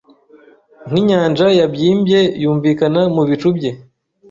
Nkinyanja yabyimbye yumvikana mu bicu bye